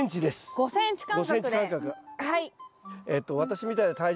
５ｃｍ間隔。